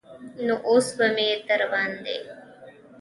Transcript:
نو اوس به مې درباندې.